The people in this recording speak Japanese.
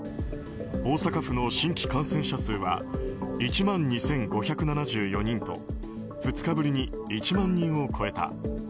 大阪府の新規感染者数は１万２５７４人と２日ぶりに１万人を超えた。